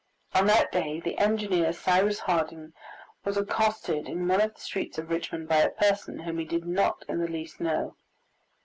On that day the engineer, Cyrus Harding, was accosted in one of the streets of Richmond by a person whom he did not in the least know.